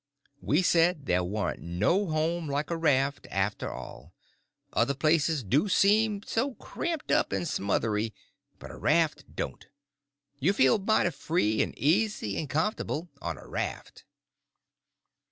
We said there warn't no home like a raft, after all. Other places do seem so cramped up and smothery, but a raft don't. You feel mighty free and easy and comfortable on a raft.